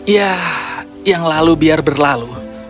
ya yang lalu biar berlalu